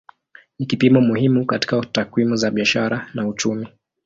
Ni kipimo muhimu katika takwimu za biashara na uchumi.